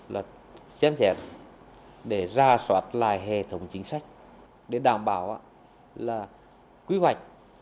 là xem xét để ra soát lại hệ thống chính sách để đảm bảo là quy hoạch